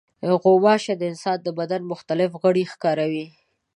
غوماشې د انسان د بدن مختلف غړي ښکاروي.